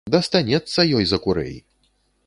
Дастанецца ёй за курэй!